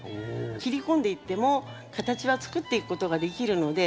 切り込んでいっても形はつくっていくことができるので。